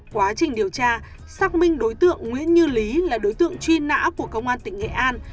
quá trình điều tra xác minh đối tượng nguyễn như lý là đối tượng truy nã của công an tỉnh nghệ an